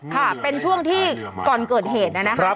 ค่ะเป็นช่วงที่ก่อนเกิดเหตุนะครับ